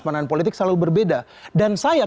pandangan politik selalu berbeda dan saya